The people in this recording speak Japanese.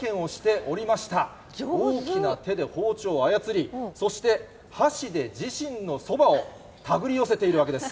大きな手で包丁を操り、そして箸で自身のそばをたぐり寄せているわけです。